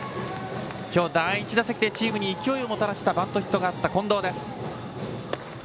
今日第１打席でチームに勢いをもたらしたバントヒットがあった近藤です。